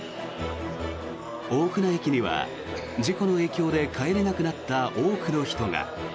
大船駅には事故の影響で帰れなくなった多くの人が。